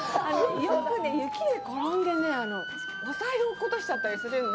よく雪で転んでね、お財布をおっことしたりするんで。